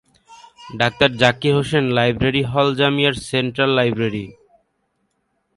Doctor Zakir Husain library হল জামিয়ার central library.